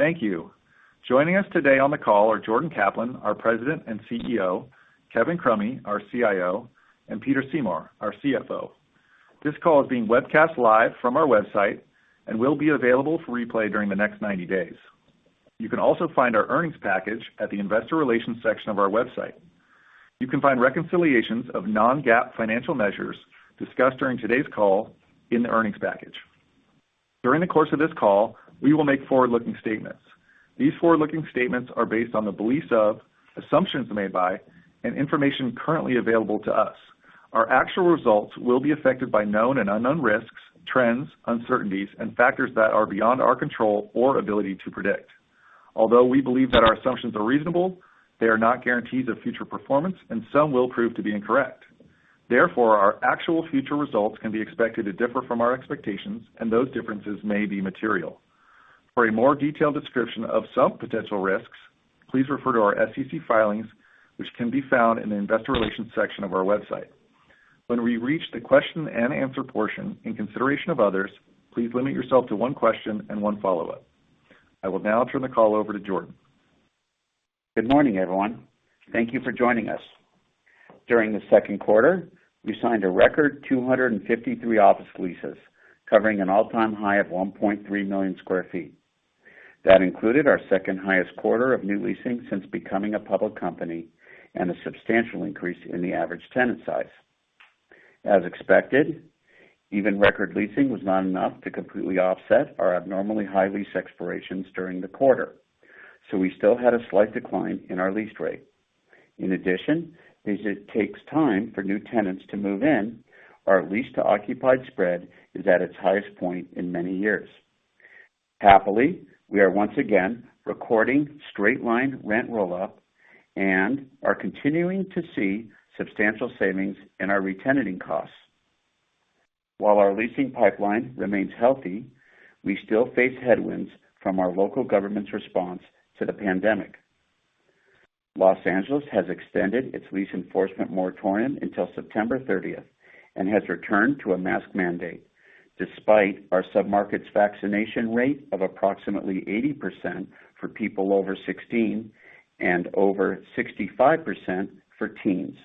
Thank you. Joining us today on the call are Jordan Kaplan, our President and CEO, Kevin Crummy, our CIO, and Peter Seymour, our CFO. This call is being webcast live from our website and will be available for replay during the next 90 days. You can also find our earnings package at the Investor Relations section of our website. You can find reconciliations of non-GAAP financial measures discussed during today's call in the earnings package. During the course of this call, we will make forward-looking statements. These forward-looking statements are based on the beliefs of, assumptions made by, and information currently available to us. Our actual results will be affected by known and unknown risks, trends, uncertainties, and factors that are beyond our control or ability to predict. Although we believe that our assumptions are reasonable, they are not guarantees of future performance, and some will prove to be incorrect. Therefore, our actual future results can be expected to differ from our expectations, and those differences may be material. For a more detailed description of some potential risks, please refer to our SEC filings, which can be found in the Investor Relations section of our website. When we reach the question and answer portion, in consideration of others, please limit yourself to one question and one follow-up. I will now turn the call over to Jordan. Good morning, everyone. Thank you for joining us. During the second quarter, we signed a record 253 office leases, covering an all-time high of 1.3 million sq ft. That included our second highest quarter of new leasing since becoming a public company and a substantial increase in the average tenant size. As expected, even record leasing was not enough to completely offset our abnormally high lease expirations during the quarter, so we still had a slight decline in our lease rate. In addition, as it takes time for new tenants to move in, our lease-to-occupied spread is at its highest point in many years. Happily, we are once again recording straight-line rent roll-up and are continuing to see substantial savings in our re-tenanting costs. While our leasing pipeline remains healthy, we still face headwinds from our local government's response to the pandemic. Los Angeles has extended its lease enforcement moratorium until September 30th and has returned to a mask mandate, despite our sub-market's vaccination rate of approximately 80% for people over 16 and over 65% for teens.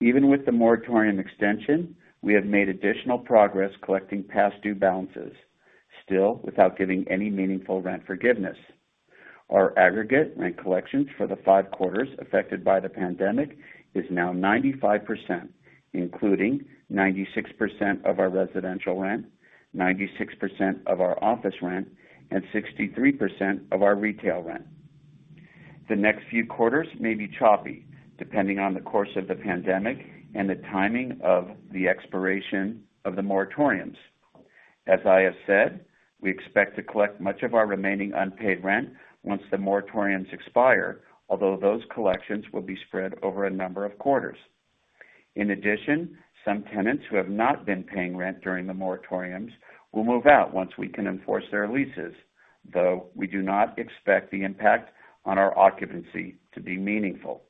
Even with the moratorium extension, we have made additional progress collecting past due balances, still without giving any meaningful rent forgiveness. Our aggregate rent collections for the five quarters affected by the pandemic is now 95%, including 96% of our residential rent, 96% of our office rent, and 63% of our retail rent. The next few quarters may be choppy, depending on the course of the pandemic and the timing of the expiration of the moratoriums. As I have said, we expect to collect much of our remaining unpaid rent once the moratoriums expire, although those collections will be spread over a number of quarters. In addition, some tenants who have not been paying rent during the moratoriums will move out once we can enforce their leases, though we do not expect the impact on our occupancy to be meaningful.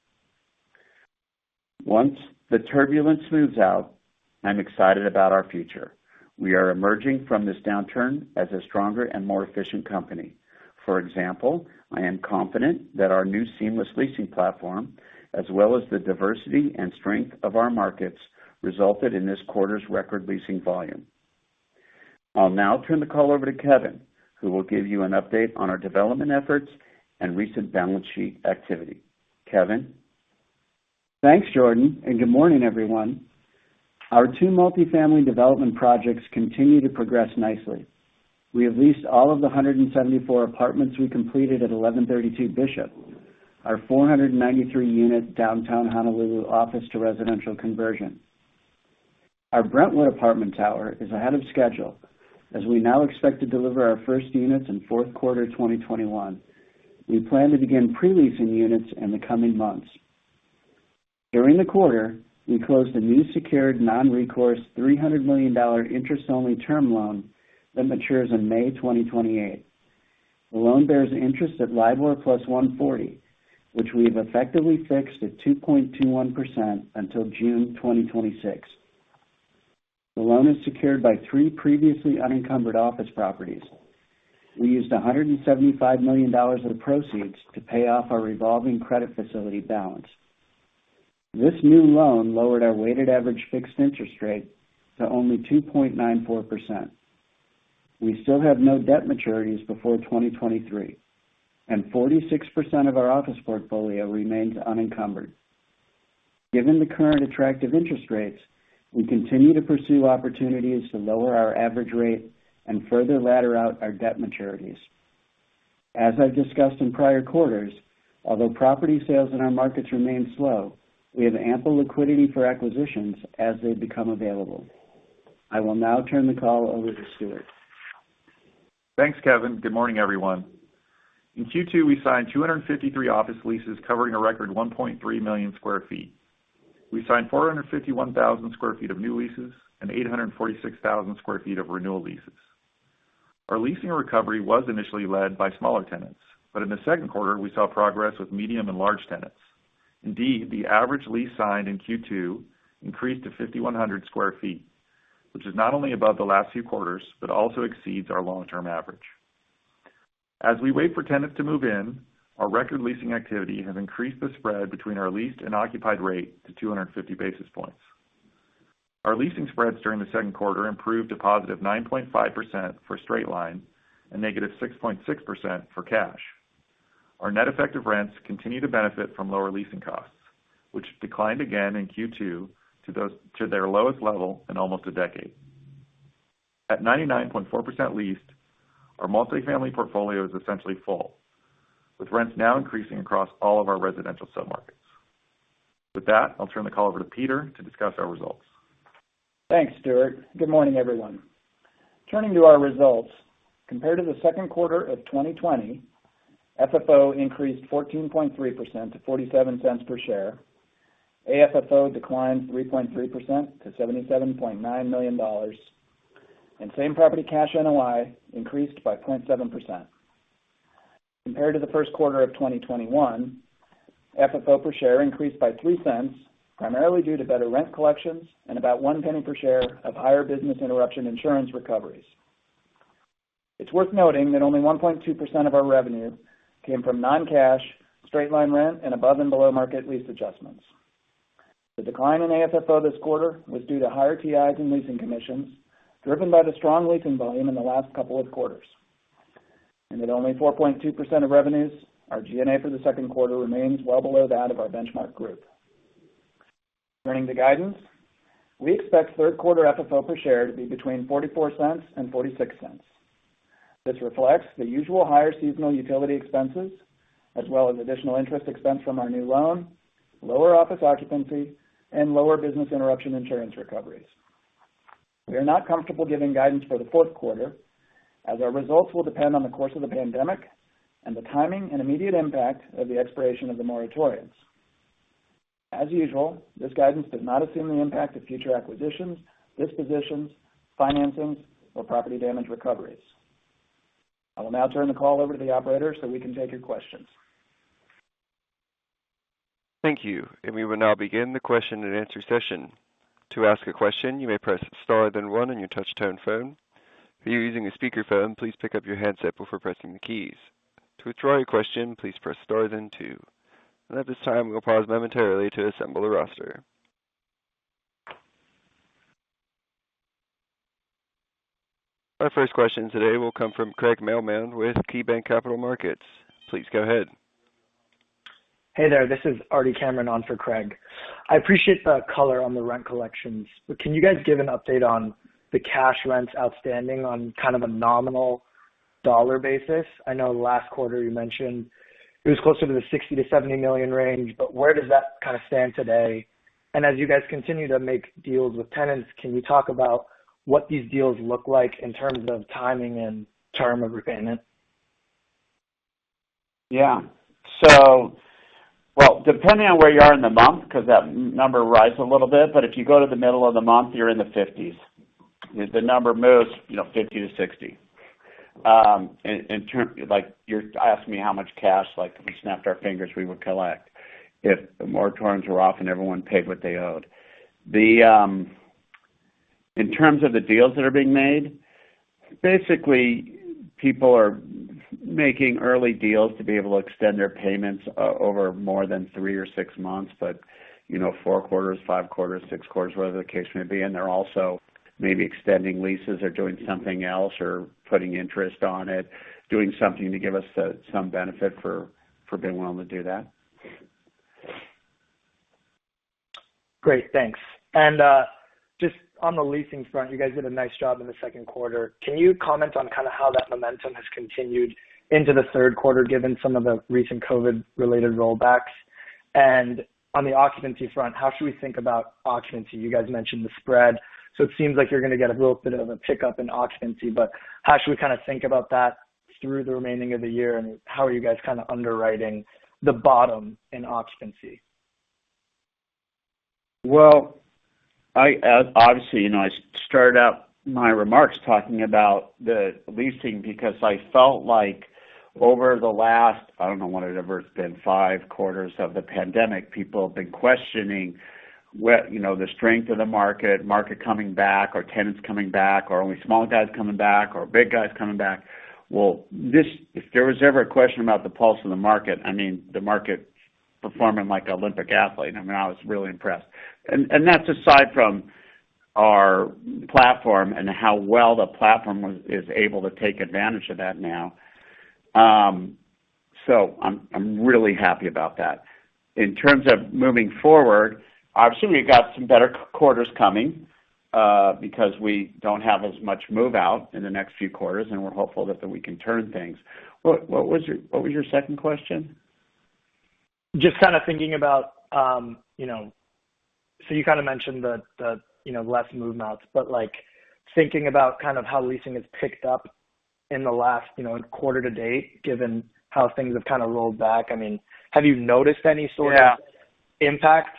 Once the turbulence moves out, I'm excited about our future. We are emerging from this downturn as a stronger and more efficient company. For example, I am confident that our new seamless leasing platform, as well as the diversity and strength of our markets, resulted in this quarter's record leasing volume. I'll now turn the call over to Kevin, who will give you an update on our development efforts and recent balance sheet activity. Kevin? Thanks, Jordan, and good morning, everyone. Our two multifamily development projects continue to progress nicely. We have leased all of the 174 apartments we completed at 1132 Bishop, our 493-unit downtown Honolulu office to residential conversion. Our Brentwood apartment tower is ahead of schedule, as we now expect to deliver our first units in fourth quarter 2021. We plan to begin pre-leasing units in the coming months. During the quarter, we closed a new secured non-recourse $300 million interest-only term loan that matures in May 2028. The loan bears interest at LIBOR plus 140 basis points, which we have effectively fixed at 2.21% until June 2026. The loan is secured by three previously unencumbered office properties. We used $175 million of the proceeds to pay off our revolving credit facility balance. This new loan lowered our weighted average fixed interest rate to only 2.94%. We still have no debt maturities before 2023, and 46% of our office portfolio remains unencumbered. Given the current attractive interest rates, we continue to pursue opportunities to lower our average rate and further ladder out our debt maturities. As I've discussed in prior quarters, although property sales in our markets remain slow, we have ample liquidity for acquisitions as they become available. I will now turn the call over to Stuart. Thanks, Kevin. Good morning, everyone. In Q2, we signed 253 office leases covering a record 1.3 million sq ft. We signed 451,000 sq ft of new leases and 846,000 sq ft of renewal leases. Our leasing recovery was initially led by smaller tenants, but in the second quarter, we saw progress with medium and large tenants. The average lease signed in Q2 increased to 5,100 sq ft, which is not only above the last few quarters but also exceeds our long-term average. As we wait for tenants to move in, our record leasing activity has increased the spread between our leased and occupied rate to 250 basis points. Our leasing spreads during the second quarter improved to positive 9.5% for straight line and -6.6% for cash. Our net effective rents continue to benefit from lower leasing costs, which declined again in Q2 to their lowest level in almost a decade. At 99.4% leased, our multifamily portfolio is essentially full, with rents now increasing across all of our residential sub-markets. With that, I'll turn the call over to Peter to discuss our results. Thanks, Stuart. Good morning, everyone. Turning to our results, compared to the second quarter of 2020, FFO increased 14.3% to $0.47 per share. AFFO declined 3.3% to $77.9 million, and same property cash NOI increased by 0.7%. Compared to the first quarter of 2021, FFO per share increased by $0.03, primarily due to better rent collections and about $0.01 per share of higher business interruption insurance recoveries. It's worth noting that only 1.2% of our revenue came from non-cash straight-line rent and above and below market lease adjustments. The decline in AFFO this quarter was due to higher TIs and leasing commissions, driven by the strong leasing volume in the last couple of quarters. At only 4.2% of revenues, our G&A for the second quarter remains well below that of our benchmark group. Turning to guidance, we expect third quarter FFO per share to be between $0.44 and $0.46. This reflects the usual higher seasonal utility expenses, as well as additional interest expense from our new loan, lower office occupancy, and lower business interruption insurance recoveries. We are not comfortable giving guidance for the fourth quarter, as our results will depend on the course of the pandemic and the timing and immediate impact of the expiration of the moratoriums. As usual, this guidance does not assume the impact of future acquisitions, dispositions, financings, or property damage recoveries. I will now turn the call over to the operator so we can take your questions. Thank you. We will now begin the question and answer session. To ask a question, you may press star then one on your touchtone phone. If you are using a speaker phone, please pick up your headset before pressing any keys. To withdrawal your question, please press star then two. At this time, we will pause momentarily to assemble the roster. Our first question today will come from Craig Mailman with KeyBanc Capital Markets. Please go ahead. Hey there. This is Arty Cameron on for Craig. I appreciate the color on the rent collections. Can you guys give an update on the cash rents outstanding on kind of a nominal dollar basis? I know last quarter you mentioned it was closer to the $60 million-$70 million range, but where does that kind of stand today? As you guys continue to make deals with tenants, can you talk about what these deals look like in terms of timing and term of repayment? Well, depending on where you are in the month, because that number rises a little bit, but if you go to the middle of the month, you're in the $50s million. If the number moves, $50 million-$60 million. In terms, like you're asking me how much cash, like if we snapped our fingers, we would collect if the moratoriums were off and everyone paid what they owed. In terms of the deals that are being made, basically, people are making early deals to be able to extend their payments over more than three or six months, but four quarters, five quarters, six quarters, whatever the case may be. They're also maybe extending leases or doing something else or putting interest on it, doing something to give us some benefit for being willing to do that. Great, thanks. Just on the leasing front, you guys did a nice job in the second quarter. Can you comment on kind of how that momentum has continued into the third quarter, given some of the recent COVID-related rollbacks? On the occupancy front, how should we think about occupancy? You guys mentioned the spread, so it seems like you're going to get a little bit of a pickup in occupancy, but how should we kind of think about that through the remaining of the year, and how are you guys kind of underwriting the bottom in occupancy? Well, obviously I started out my remarks talking about the leasing because I felt like over the last, I don't know, whatever it's been, five quarters of the pandemic, people have been questioning the strength of the market coming back, are tenants coming back, are only small guys coming back or big guys coming back? Well, if there was ever a question about the pulse of the market, I mean, the market's performing like an Olympic athlete. I mean, I was really impressed. That's aside from our platform and how well the platform is able to take advantage of that now. I'm really happy about that. In terms of moving forward, obviously, we've got some better quarters coming because we don't have as much move-out in the next few quarters, and we're hopeful that we can turn things. What was your second question? Just thinking about, you mentioned the less move-outs, but like thinking about how leasing has picked up in the last quarter-to-date, given how things have rolled back. I mean, have you noticed any sort of? Yeah impact?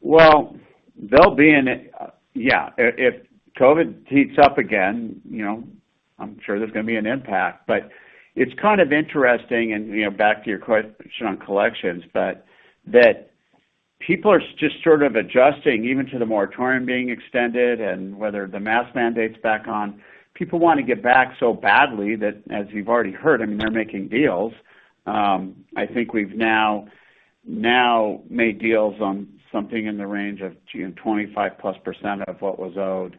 Well, they'll be in it. Yeah. If COVID heats up again, I'm sure there's going to be an impact. It's kind of interesting, and back to your question on collections, that people are just sort of adjusting even to the moratorium being extended and whether the mask mandate's back on. People want to get back so badly that, as you've already heard, I mean, they're making deals. I think we've now made deals on something in the range of 25%+ of what was owed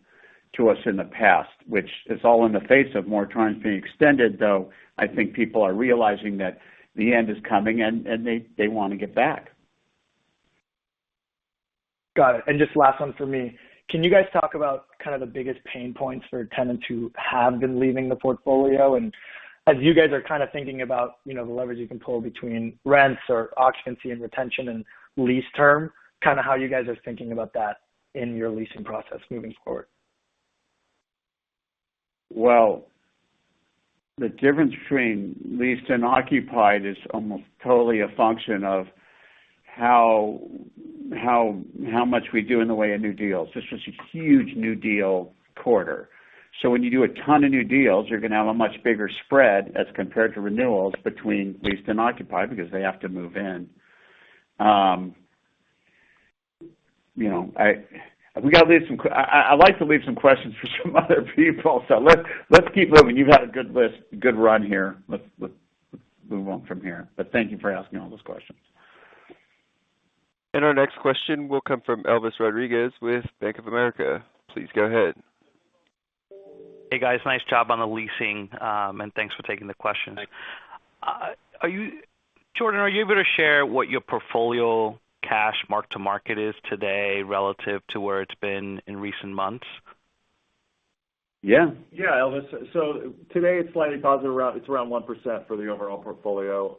to us in the past, which is all in the face of moratoriums being extended, though I think people are realizing that the end is coming and they want to get back. Got it. Just last one from me. Can you guys talk about kind of the biggest pain points for a tenant who have been leaving the portfolio? As you guys are kind of thinking about the leverage you can pull between rents or occupancy and retention and lease term, kind of how you guys are thinking about that in your leasing process moving forward. Well, the difference between leased and occupied is almost totally a function of how much we do in the way of new deals. This was a huge new deal quarter. When you do a ton of new deals, you're going to have a much bigger spread as compared to renewals between leased and occupied because they have to move in. I'd like to leave some questions for some other people, let's keep moving. You've had a good list, a good run here. Let's move on from here. Thank you for asking all those questions. Our next question will come from Elvis Rodriguez with Bank of America. Please go ahead. Hey, guys, nice job on the leasing, and thanks for taking the question. Jordan, are you able to share what your portfolio cash mark to market is today relative to where it's been in recent months? Yeah. Yeah, Elvis. Today it's slightly positive. It's around 1% for the overall portfolio.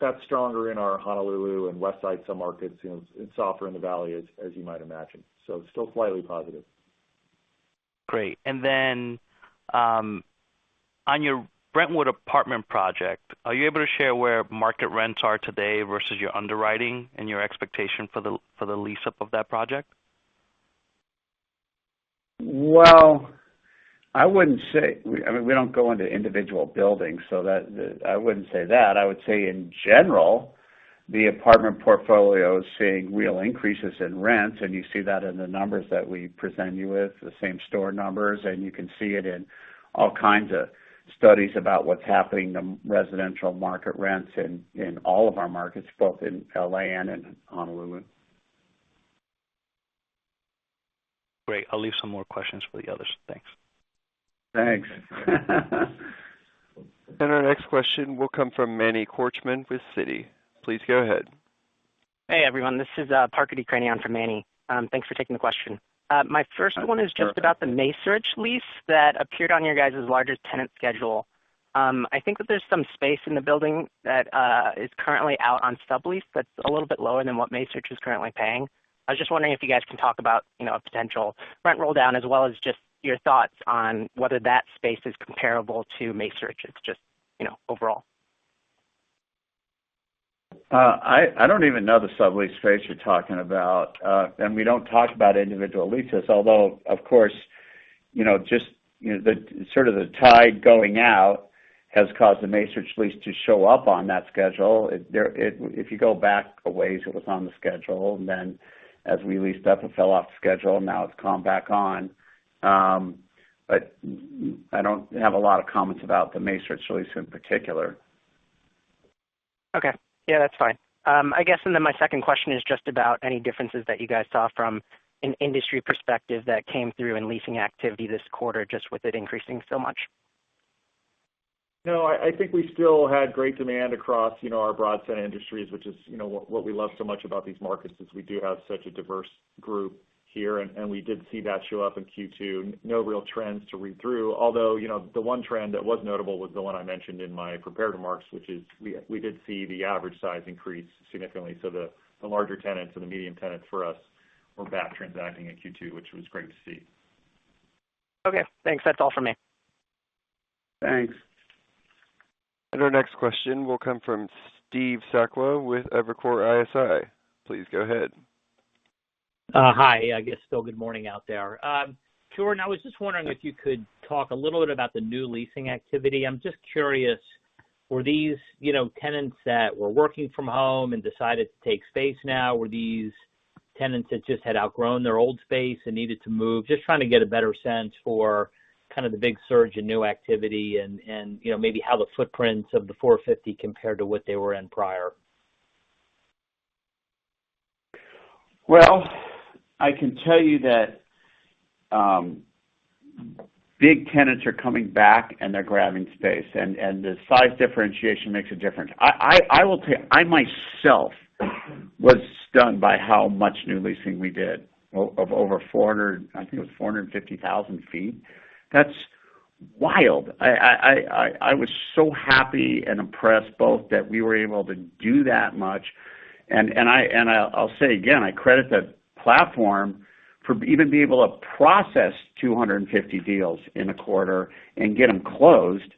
That's stronger in our Honolulu and Westside sub-markets. It's softer in the Valley, as you might imagine. Still slightly positive. Great. On your Brentwood apartment project, are you able to share where market rents are today versus your underwriting and your expectation for the lease-up of that project? Well, I wouldn't say I mean, we don't go into individual buildings, so I wouldn't say that. I would say, in general, the apartment portfolio is seeing real increases in rents, and you see that in the numbers that we present you with, the same store numbers, and you can see it in all kinds of studies about what's happening to residential market rents in all of our markets, both in L.A. and in Honolulu. Great. I'll leave some more questions for the others. Thanks. Thanks. Our next question will come from Manny Korchman with Citi. Please go ahead. Hey, everyone. This is Parker Decraene for Manny. Thanks for taking the question. Hi, Parker. My first one is just about the Macerich lease that appeared on your guys' largest tenant schedule. I think that there's some space in the building that is currently out on sublease that's a little bit lower than what Macerich is currently paying. I was just wondering if you guys can talk about a potential rent roll-down, as well as just your thoughts on whether that space is comparable to Macerich. It's just overall. I don't even know the sublease space you're talking about. We don't talk about individual leases, although of course, sort of the tide going out has caused the Macerich lease to show up on that schedule. If you go back a ways, it was on the schedule. As we leased up, it fell off the schedule. Now it's come back on. I don't have a lot of comments about the Macerich lease in particular. Okay. Yeah, that's fine. I guess, my second question is just about any differences that you guys saw from an industry perspective that came through in leasing activity this quarter, just with it increasing so much. No, I think we still had great demand across our broad set of industries, which is what we love so much about these markets, is we do have such a diverse group here, and we did see that show up in Q2. No real trends to read through. The one trend that was notable was the one I mentioned in my prepared remarks, which is we did see the average size increase significantly. The larger tenants or the medium tenants for us were back transacting in Q2, which was great to see. Okay, thanks. That's all for me. Thanks. Our next question will come from Steve Sakwa with Evercore ISI. Please go ahead. Hi. I guess still good morning out there. Jordan, I was just wondering if you could talk a little bit about the new leasing activity. I'm just curious, were these tenants that were working from home and decided to take space now? Were these tenants that just had outgrown their old space and needed to move? Just trying to get a better sense for kind of the big surge in new activity and maybe how the footprints of the 450,000 sq ft compare to what they were in prior. Well, I can tell you that big tenants are coming back, and they're grabbing space, and the size differentiation makes a difference. I will tell you, I myself was stunned by how much new leasing we did of over 450,000 sq ft. That's wild. I was so happy and impressed both that we were able to do that much. I'll say again, I credit the platform for even being able to process 250 deals in a quarter and get them closed.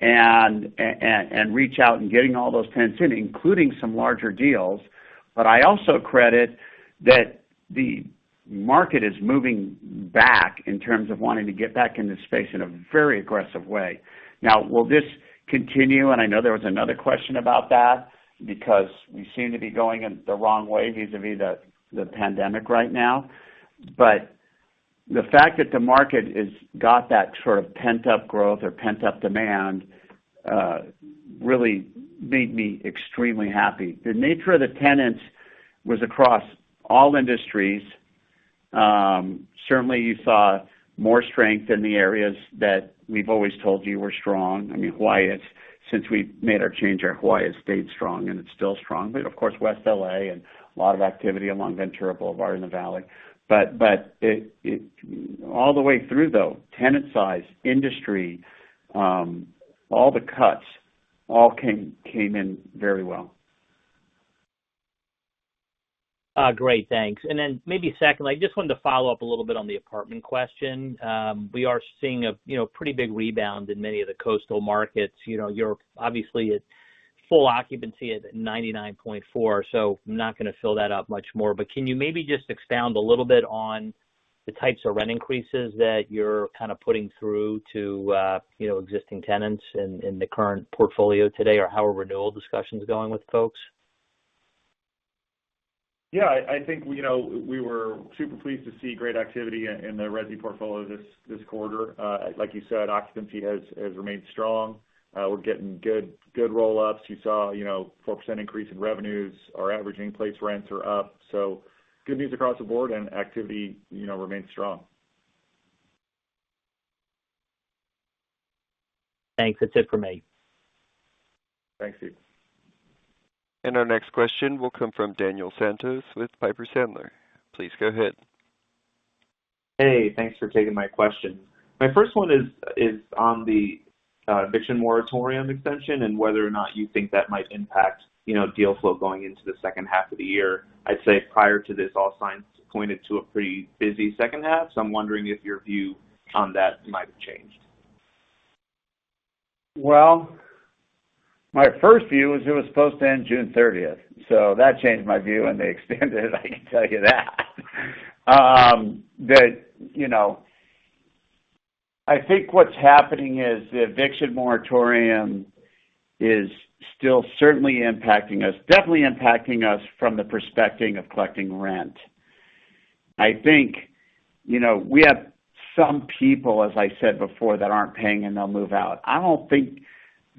Reach out and getting all those tenants in, including some larger deals. I also credit that the market is moving back in terms of wanting to get back in this space in a very aggressive way. Now, will this continue? I know there was another question about that because we seem to be going in the wrong way vis-a-vis the pandemic right now. The fact that the market has got that sort of pent-up growth or pent-up demand, really made me extremely happy. The nature of the tenants was across all industries. Certainly, you saw more strength in the areas that we've always told you were strong. Since we made our change, our Hawaii has stayed strong, and it's still strong. Of course, West L.A. and a lot of activity along Ventura Boulevard in the Valley. All the way through, though, tenant size, industry, all the cuts, all came in very well. Great. Thanks. Maybe secondly, I just wanted to follow up a little bit on the apartment question. We are seeing a pretty big rebound in many of the coastal markets. You're obviously at full occupancy at 99.4%. I'm not going to fill that up much more. Can you maybe just expound a little bit on the types of rent increases that you're kind of putting through to existing tenants in the current portfolio today, or how are renewal discussions going with folks? Yeah, I think we were super pleased to see great activity in the resi portfolio this quarter. Like you said, occupancy has remained strong. We're getting good roll-ups. You saw 4% increase in revenues. Our average in-place rents are up, so good news across the board and activity remains strong. Thanks. That's it from me. Thanks. Our next question will come from Daniel Santos with Piper Sandler. Please go ahead. Hey, thanks for taking my question. My first one is on the eviction moratorium extension and whether or not you think that might impact deal flow going into the second half of the year. I'd say prior to this, all signs pointed to a pretty busy second half, so I'm wondering if your view on that might have changed. My first view is it was supposed to end June 30th, so that changed my view when they extended it, I can tell you that. I think what's happening is the eviction moratorium is still certainly impacting us, definitely impacting us from the perspective of collecting rent. I think we have some people, as I said before, that aren't paying, and they'll move out. I don't think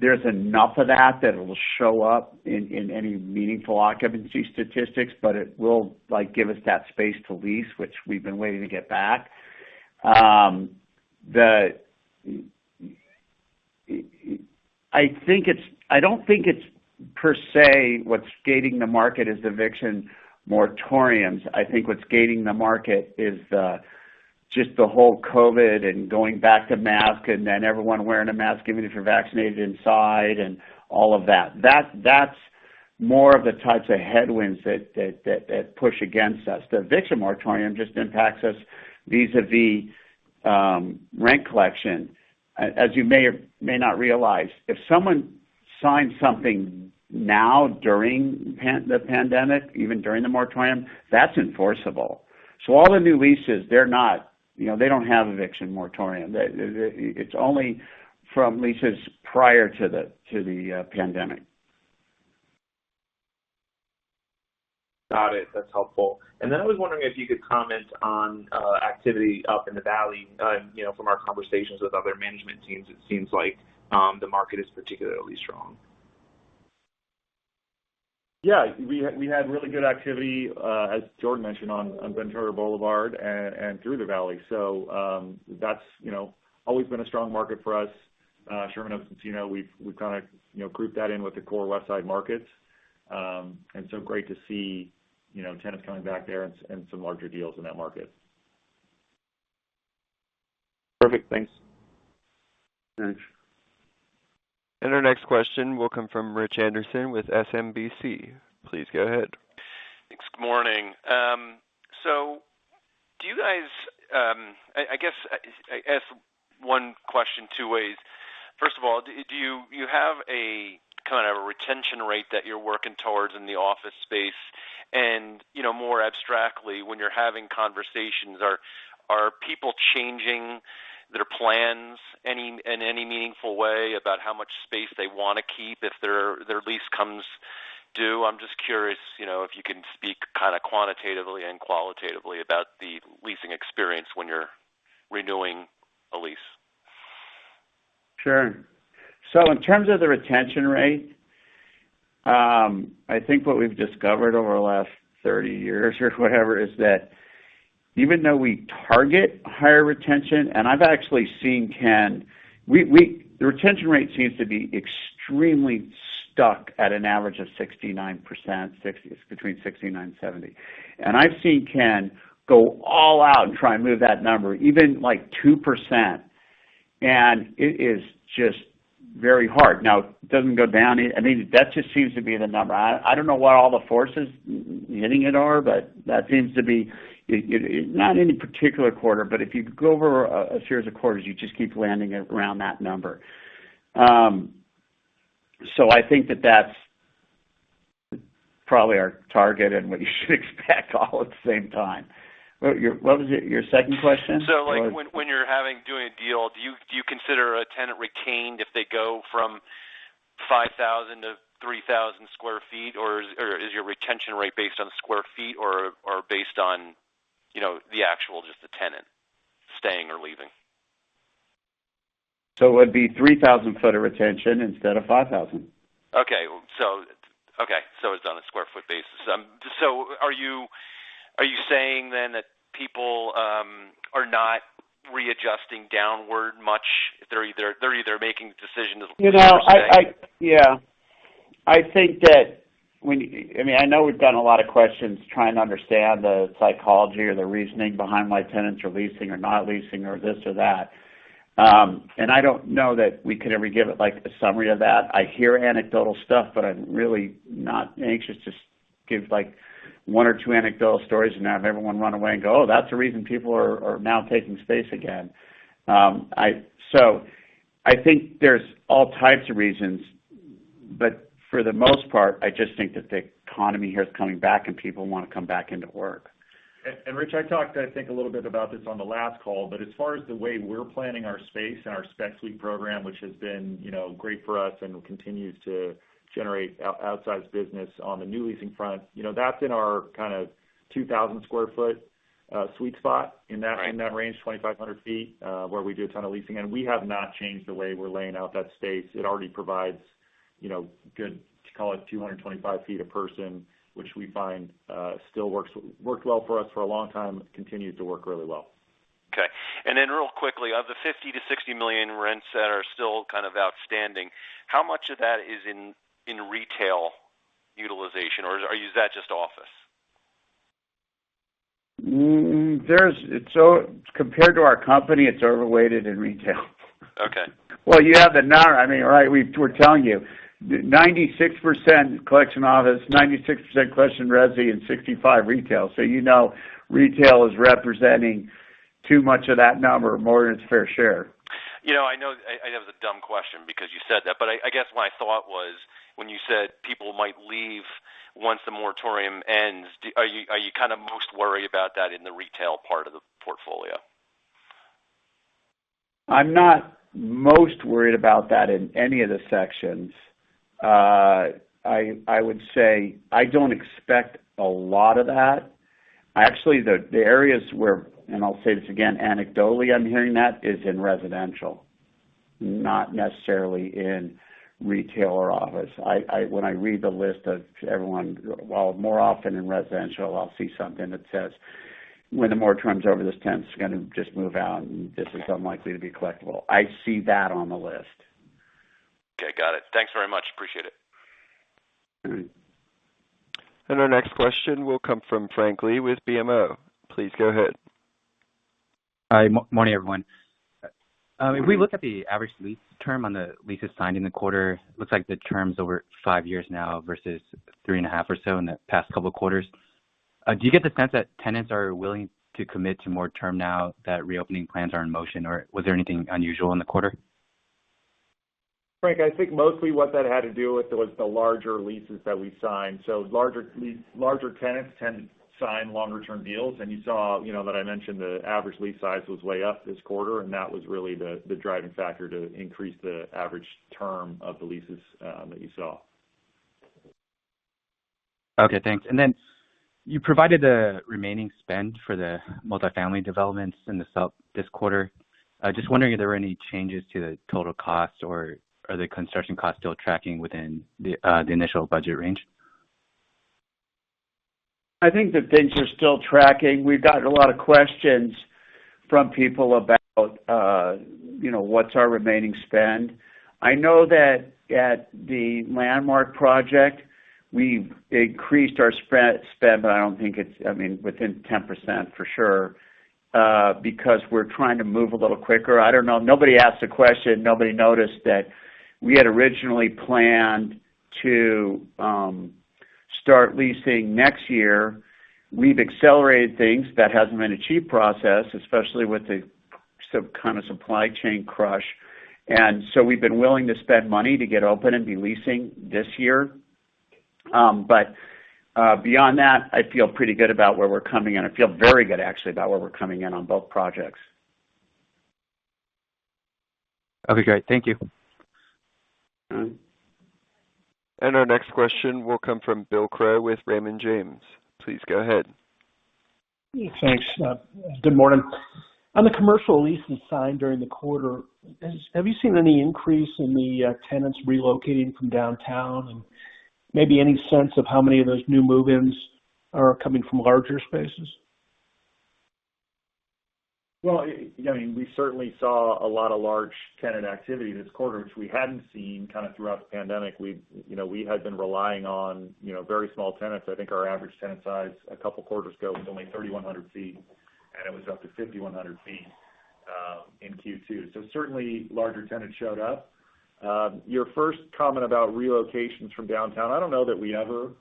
there's enough of that that it will show up in any meaningful occupancy statistics, but it will give us that space to lease, which we've been waiting to get back. I don't think it's per se what's gating the market is eviction moratoriums. I think what's gating the market is just the whole COVID and going back to mask, and then everyone wearing a mask, even if you're vaccinated inside and all of that. That's more of the types of headwinds that push against us. The eviction moratorium just impacts us vis-a-vis rent collection. As you may or may not realize, if someone signs something now during the pandemic, even during the moratorium, that's enforceable. All the new leases, they don't have eviction moratorium. It's only from leases prior to the pandemic. Got it. That's helpful. I was wondering if you could comment on activity up in the Valley. From our conversations with other management teams, it seems like the market is particularly strong. Yeah. We had really good activity, as Jordan mentioned, on Ventura Boulevard and through the Valley. That's always been a strong market for us. Sherman Oaks, Encino, we've kind of grouped that in with the core Westside markets. Great to see tenants coming back there and some larger deals in that market. Perfect. Thanks. Thanks. Our next question will come from Richard Anderson from SMBC. Please go ahead. Thanks. Good morning. Do you guys I guess I ask one question two ways. First of all, do you have a kind of retention rate that you're working towards in the office space? More abstractly, when you're having conversations, are people changing their plans in any meaningful way about how much space they want to keep if their lease comes due? I'm just curious if you can speak kind of quantitatively and qualitatively about the leasing experience when you're renewing a lease. Sure. In terms of the retention rate, I think what we've discovered over the last 30 years or whatever is that even though we target higher retention, and I've actually seen Ken. The retention rate seems to be extremely stuck at an average of 69%, between 69% and 70%. I've seen Ken go all out and try and move that number, even like 2%, and it is just very hard. Now, it doesn't go down. I mean, that just seems to be the number. I don't know what all the forces hitting it are, but that seems to be. Not any particular quarter, but if you go over a series of quarters, you just keep landing it around that number. I think that that's probably our target and what you should expect all at the same time. What was your second question? When you're doing a deal, do you consider a tenant retained if they go from 5,000 sq ft to 3,000 sq ft? Or is your retention rate based on square feet or based on the actual tenant staying or leaving? It would be 3,000 sq ft of retention instead of 5,000 sq ft. It's on a square foot basis. Are you saying that people are not readjusting downward much? They're either making the decision to stay- Yeah. I know we've done a lot of questions trying to understand the psychology or the reasoning behind why tenants are leasing or not leasing or this or that. I don't know that we could ever give it a summary of that. I hear anecdotal stuff, but I'm really not anxious to give one or two anecdotal stories and have everyone run away and go, "Oh, that's the reason people are now taking space again." I think there's all types of reasons, but for the most part, I just think that the economy here is coming back and people want to come back into work. Rich, I talked, I think, a little bit about this on the last call, as far as the way we're planning our space and our spec suite program, which has been great for us and continues to generate outsized business on the new leasing front. That's in our kind of 2,000 sq ft sweet spot. Right in that range, 2,500 ft, where we do a ton of leasing. We have not changed the way we're laying out that space. It already provides good, call it 225 ft a person, which we find worked well for us for a long time, continued to work really well. Okay. Then real quickly, of the $50 million-$60 million rents that are still kind of outstanding, how much of that is in retail utilization, or is that just office? Compared to our company, it's overweighted in retail. Okay. Well, you have the number. We're telling you, 96% collection office, 96% collection resi, and 65% retail. You know retail is representing too much of that number, more than its fair share. I know that was a dumb question because you said that, but I guess my thought was when you said people might leave once the moratorium ends, are you kind of most worried about that in the retail part of the portfolio? I'm not most worried about that in any of the sections. I would say I don't expect a lot of that. Actually, the areas where, and I'll say this again, anecdotally, I'm hearing that is in residential, not necessarily in retail or office. When I read the list of everyone, while more often in residential, I'll see something that says, "When the moratorium's over, this tenant's going to just move out, and this is unlikely to be collectible." I see that on the list. Okay, got it. Thanks very much. Appreciate it. Our next question will come from Frank Li with BMO. Please go ahead. Hi, morning everyone. If we look at the average lease term on the leases signed in the quarter, looks like the term's over five years now versus 3.5 or so in the past couple quarters. Do you get the sense that tenants are willing to commit to more term now that reopening plans are in motion, or was there anything unusual in the quarter? Frank, I think mostly what that had to do with was the larger leases that we signed. Larger tenants tend to sign longer-term deals, and you saw that I mentioned the average lease size was way up this quarter, and that was really the driving factor to increase the average term of the leases that you saw. Okay, thanks. Then you provided the remaining spend for the multifamily developments in the supp this quarter. Just wondering if there were any changes to the total cost, or are the construction costs still tracking within the initial budget range? I think that things are still tracking. We've gotten a lot of questions from people about what's our remaining spend. I know that at the Landmark project, we've increased our spend, but I don't think it's within 10%, for sure, because we're trying to move a little quicker. I don't know. Nobody asked a question. Nobody noticed that we had originally planned to start leasing next year. We've accelerated things. That hasn't been a cheap process, especially with the kind of supply chain crush. We've been willing to spend money to get open and be leasing this year. Beyond that, I feel pretty good about where we're coming in. I feel very good, actually, about where we're coming in on both projects. Okay, great. Thank you. Our next question will come from Bill Crow with Raymond James. Please go ahead. Thanks. Good morning. On the commercial leases signed during the quarter, have you seen any increase in the tenants relocating from downtown, and maybe any sense of how many of those new move-ins are coming from larger spaces? We certainly saw a lot of large tenant activity this quarter, which we hadn't seen kind of throughout the pandemic. We had been relying on very small tenants. I think our average tenant size a couple quarters ago was only 3,100 ft, and it was up to 5,100 ft in Q2. Certainly larger tenants showed up. Your first comment about relocations from downtown, I don't know that we ever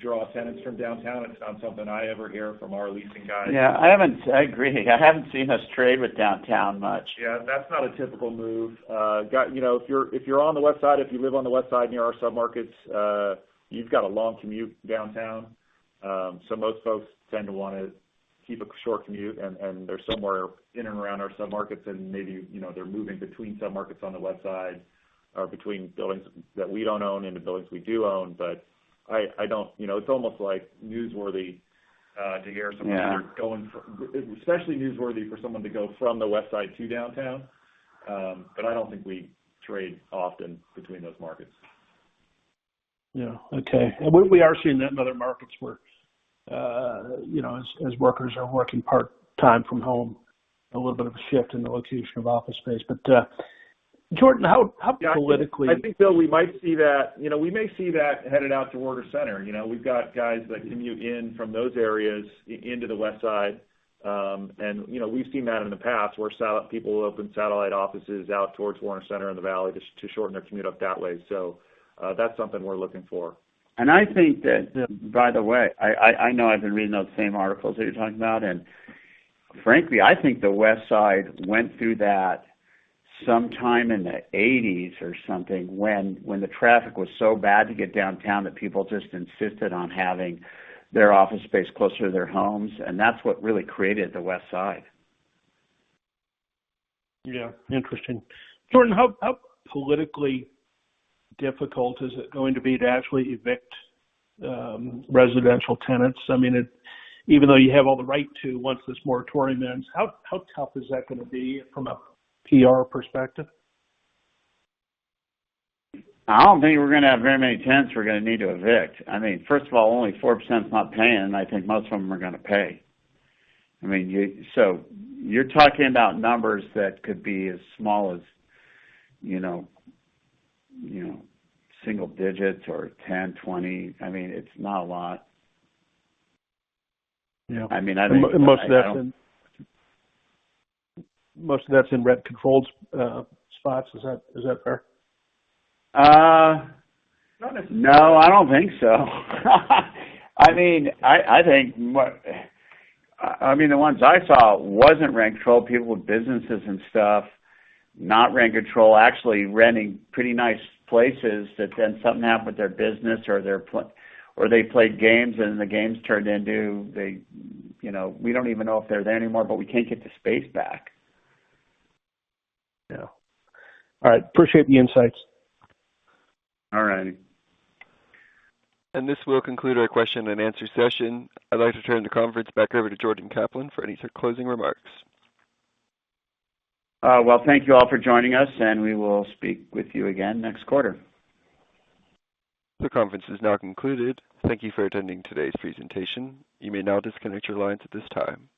draw tenants from downtown. It's not something I ever hear from our leasing guys. Yeah. I agree. I haven't seen us trade with downtown much. Yeah, that's not a typical move. If you're on the Westside, if you live on the Westside near our submarkets, you've got a long commute downtown. Most folks tend to want to keep a short commute and they're somewhere in and around our submarkets, and maybe they're moving between submarkets on the Westside, or between buildings that we don't own into buildings we do own. It's almost newsworthy to hear someone. Yeah ...going, especially newsworthy for someone to go from the Westside to downtown. I don't think we trade often between those markets. Yeah. Okay. We are seeing that in other markets, where as workers are working part-time from home, a little bit of a shift in the location of office space. Jordan, how politically- I think, Bill, we may see that headed out to Warner Center. We've got guys that commute in from those areas into the Westside. We've seen that in the past, where people open satellite offices out towards Warner Center in the Valley just to shorten their commute up that way. That's something we're looking for. I think that, by the way, I know I've been reading those same articles that you're talking about. Frankly, I think the Westside went through that sometime in the 1980s or something, when the traffic was so bad to get downtown that people just insisted on having their office space closer to their homes. That's what really created the Westside. Yeah. Interesting. Jordan, how politically difficult is it going to be to actually evict residential tenants? Even though you have all the right to, once this moratorium ends, how tough is that going to be from a PR perspective? I don't think we're going to have very many tenants we're going to need to evict. First of all, only 4% is not paying, and I think most of them are going to pay. You're talking about numbers that could be as small as single digits or 10, 20. It's not a lot. Yeah. I think- Most of that's in rent-controlled spots. Is that fair? Not necessarily. No, I don't think so. The ones I saw wasn't rent-controlled, people with businesses and stuff, not rent control, actually renting pretty nice places that then something happened with their business, or they played games and the games turned into we don't even know if they're there anymore, but we can't get the space back. Yeah. All right. Appreciate the insights. All righty. This will conclude our question and answer session. I'd like to turn the conference back over to Jordan Kaplan for any closing remarks. Well, thank you all for joining us, and we will speak with you again next quarter. The conference is now concluded. Thank you for attending today's presentation. You may now disconnect your lines at this time.